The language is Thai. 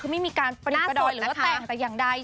คือไม่มีการปฏิบัติหรือแตกแต่อย่างใด